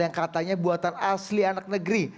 yang katanya buatan asli anak negeri